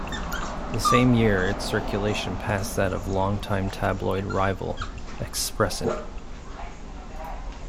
The same year its circulation passed that of long-time tabloid rival "Expressen".